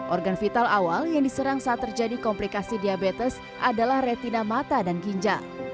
organ vital awal yang diserang saat terjadi komplikasi diabetes adalah retina mata dan ginjal